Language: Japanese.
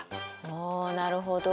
おおなるほど。